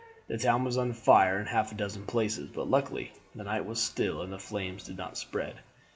The town was on fire in half a dozen places, but luckily the night was still and the flames did not spread.